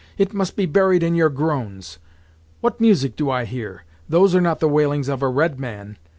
It must be buried in your groans. What music do I hear? Those are not the wailings of a red man!